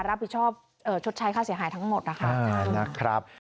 รับผิดชอบชดใช้ค่าเสียหายทั้งหมดนะคะ